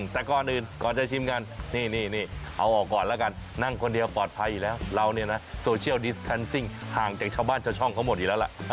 แต่ก่อนอื่นก่อนจะชิมกันนี่เอาออกก่อนแล้วกันนั่งคนเดียวปลอดภัยอยู่แล้วเราเนี่ยนะโซเชียลดิสแทนซิ่งห่างจากชาวบ้านชาวช่องเขาหมดอยู่แล้วล่ะ